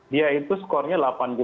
dia itu skornya delapan puluh lima